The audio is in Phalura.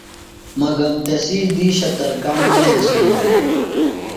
مگم تسی دِیشہ ترکاݨ نہ ہینسِلوۡ دےۡ۔